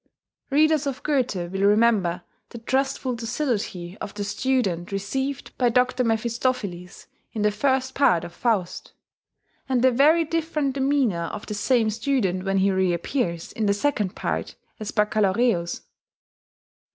Readers of Goethe will remember the trustful docility of the student received by Doctor Mephistopheles in the First Part of Faust, and the very different demeanour of the same student when he reappears, in the Second Part, as Baccalaureus.